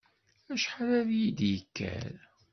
Acḥal ara yi-d-yekker?